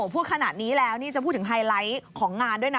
พูดขนาดนี้แล้วนี่จะพูดถึงไฮไลท์ของงานด้วยนะ